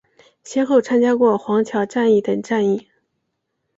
先后参加过黄桥战役等战役。